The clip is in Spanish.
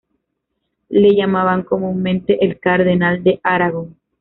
Le llamaban comúnmente el Cardenal de Aragón.